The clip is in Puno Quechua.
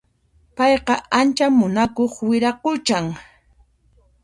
Payqa ancha munakuq wiraquchan